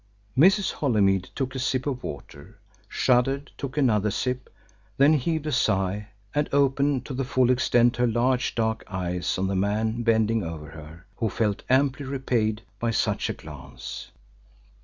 Mrs. Holymead took a sip of water, shuddered, took another sip, then heaved a sigh, and opened to the full extent her large dark eyes on the man bending over her, who felt amply repaid by such a glance.